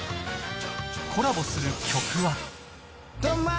コラボする曲は。